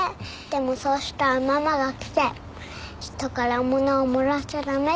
でもそうしたらママが来て人から物をもらっちゃダメって怒られたんだ。